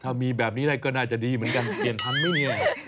ถ้ามีแบบนี้ได้ก็น่าจะดีเหมือนกันเปลี่ยนทันไหมเนี่ย